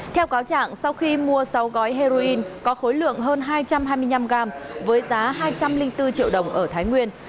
theo cáo trạng sau khi mua sáu gói heroin có khối lượng hơn hai trăm hai mươi năm g với giá hai trăm linh bốn triệu đồng ở thái nguyên